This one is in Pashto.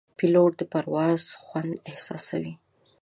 پیلوټ د پرواز خوند احساسوي.